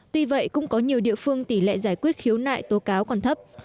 tuy vậy cũng có nhiều địa phương tỷ lệ giải quyết khiếu nại tố cáo còn thấp